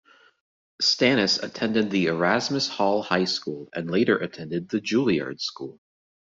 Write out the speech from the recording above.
Stanis attended Erasmus Hall High School and later attended the Juilliard School.